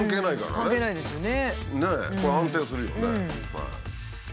これ安定するよね。